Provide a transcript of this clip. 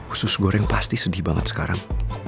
usus goreng pasti sedih banget sekarang